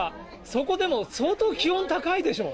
そこでも、相当気温、高いでしょ？